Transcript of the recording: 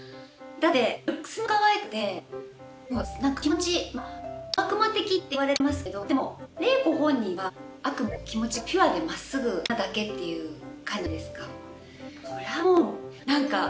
だってルックスもかわいくてもうなんか気持ちまあ小悪魔的って言われてますけどでも怜子本人はあくまで気持ちがピュアでまっすぐなだけっていう感じじゃないですか。